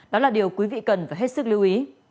đó là điều quý vị cần phải hết sức lưu ý